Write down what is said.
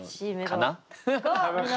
かな？